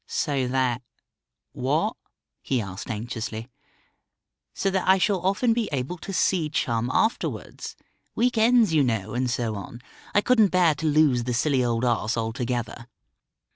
"So that what?" he asked anxiously. "So that I shall often be able to see Chum afterwards. Week ends, you know, and so on. I couldn't bear to lose the silly old ass altogether."